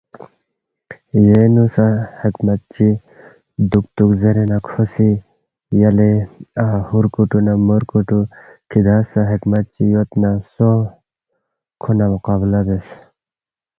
یینگ نُو سہ حکمت چی دُوکتُوک زیرے نہ کھو سی، یلے ہُورکُوٹُو نہ مُورکُوٹُو کِھدانگ سہ حکمت چی یود نہ سونگ کھو نہ مقابلہ بیوس